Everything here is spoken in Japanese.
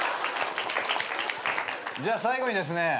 じゃ最後にですね